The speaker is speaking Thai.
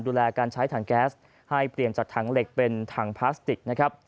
ดูแลการใช้ถังแก๊สให้เปลี่ยนจากถังเหล็กเป็นถังพลาสติกนะครับ